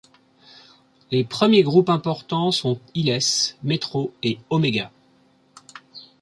Les premiers groupes importants sont Illés, Metro et Omega.